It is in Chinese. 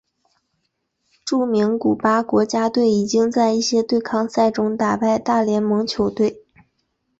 著名古巴国家队已经在一些对抗赛中打败大联盟球队。